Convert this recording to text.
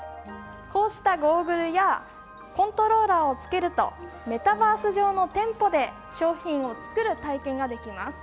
こうしたゴーグルやコントローラを着けるとメタバース上の店舗で商品を作る体験ができます。